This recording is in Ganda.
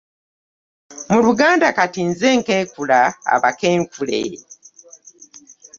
Muluganda kati nze nkenkula abakenkule .